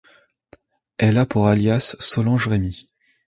Elle a pour alias Solange Rémy.